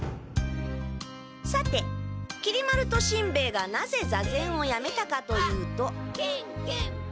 さてきり丸としんべヱがなぜ座禅をやめたかというとけんけんぱ！